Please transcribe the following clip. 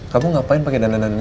kamu ngapain pakai dandan dandan